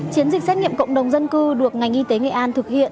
chiến dịch xét nghiệm cộng đồng dân cư được ngành y tế nghệ an thực hiện